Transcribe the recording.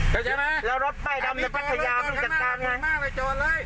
แล้วรถใต้ดำในพัทยาวิ่งกันตามไง